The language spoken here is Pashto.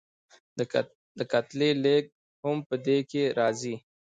د کتلې لیږد هم په دې کې راځي.